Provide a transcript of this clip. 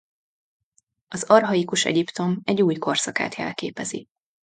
Az archaikus Egyiptom egy új korszakát jelképezi.